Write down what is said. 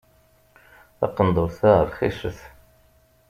Taqendurt-a rxiset.